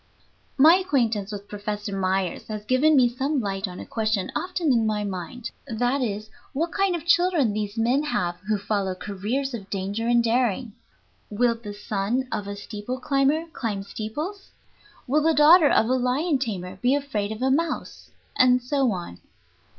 My acquaintance with Professor Myers has given me some light on a question often in my mind; that is, what kind of children these men have who follow careers of danger and daring. Will the son of a steeple climber climb steeples? Will the daughter of a lion tamer be afraid of a mouse? And so on.